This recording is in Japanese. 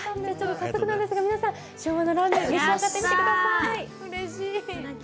早速なんですが皆さん、昭和のラーメン召し上がってください。